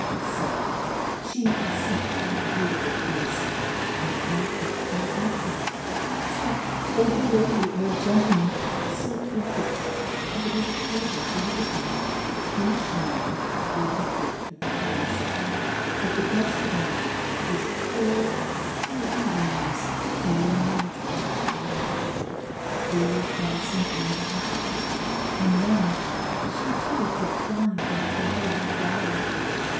So she accepted the beautiful prince, and out of every flower stepped a little lady or a gentleman so lovely that it was a pleasure to look at them. Each one brought a gift to Thumbelisa, but the best of all was a pair of pretty 78 ANDERSEN'S FAIRY TALES wings from a large white fly; they were fastened on to her back, and then she too could fly from flower to flower.